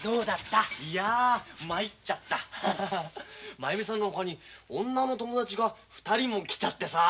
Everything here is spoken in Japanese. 真弓さんのほかに女の友達が２人も来ちゃってさ。